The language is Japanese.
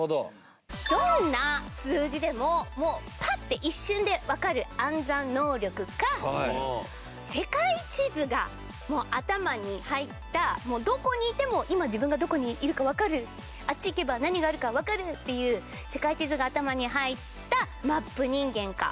どんな数字でももうパッて一瞬でわかる暗算能力か世界地図が頭に入ったどこにいても今自分がどこにいるかわかるあっち行けば何があるかわかるっていう世界地図が頭に入ったマップ人間か。